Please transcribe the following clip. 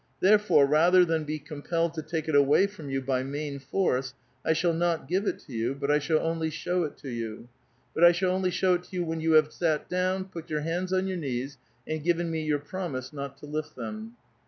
Therefore, rather than be compelled to take it away from yon by main force, I shall not give it to you, but I shall only show it to you. But I shall only show it to yon when you have sat down, put your hands on your knees, and given me your promise not to lift them."